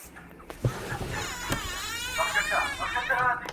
o سر که ولاړ سي، عادت نه ځي٫